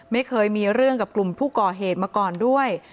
ไม่เคยมีเรื่องกับกลุ่มผู้ก่อเหตุมาก่อนด้วย